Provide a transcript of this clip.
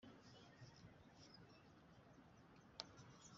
Rucinyaho impayamaguru